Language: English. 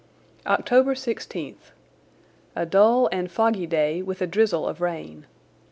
October 16_th_.—A dull and foggy day with a drizzle of rain.